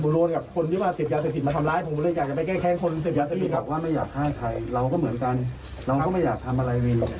เราก็เหมือนกันเราก็ไม่อยากทำอะไรวิน